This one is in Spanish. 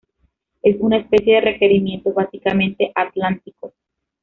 Es una especie de requerimientos básicamente atlánticos.